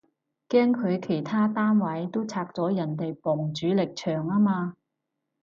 驚佢其他單位都拆咗人哋埲主力牆吖嘛